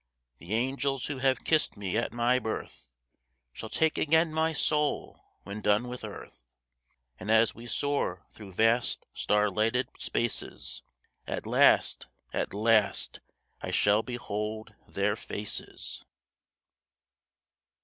The angels who have kissed me at my birth Shall take again my soul when done with earth, And as we soar through vast, star lighted spaces, At last, at last I shall behold their faces.